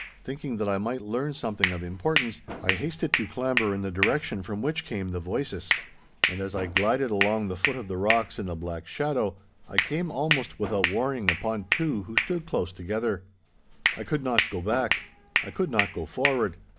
Thinking that I might learn something of importance, I hasted to clamber in the direction from which came the voices. And as I glided along the foot of the rocks in the black shadow, I came almost without warning upon two who stood close together. I could not go back. I could not go forward.